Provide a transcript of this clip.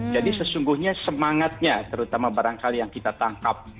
jadi sesungguhnya semangatnya terutama barangkali yang kita tangkap